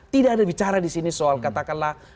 tidak ada bicara disini soal katakanlah